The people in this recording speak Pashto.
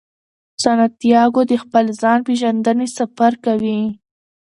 سانتیاګو د خپل ځان پیژندنې سفر کوي.